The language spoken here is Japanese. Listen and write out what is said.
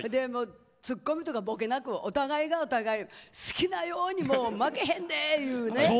ツッコミとかボケなくお互いがお互い好きなように負けへんで！っていう。